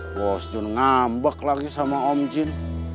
bos john ngambek lagi sama om jin